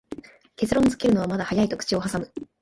結論づけるのはまだ早いと口をはさむ